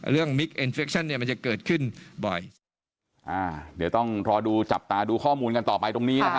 เรื่องมิกเอ็นเฟคชั่นมันจะเกิดขึ้นบ่อย